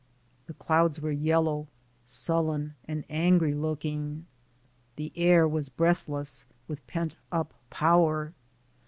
The clouds were yellow, sullen and angry looking; the air was breathless with pent up power.